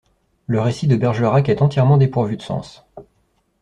Le récit de Bergerac est entièrement dépourvu de sens.